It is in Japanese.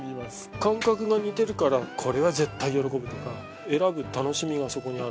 感覚が似てるからこれは絶対喜ぶとか選ぶ楽しみがそこにある。